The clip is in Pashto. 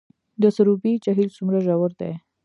د سروبي جهیل څومره ژور دی؟